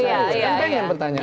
kan pengen pertanyaan